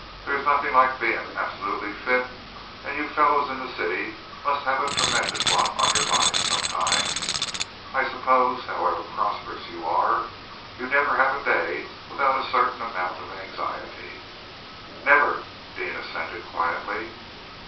There's nothing like being absolutely fit, and you fellows in the city must have a tremendous lot on your minds sometimes. I suppose, however prosperous you are, you never have a day without a certain amount of anxiety?" "Never," Deane assented quietly.